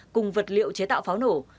cùng vật liệu chế tạo pháo nổ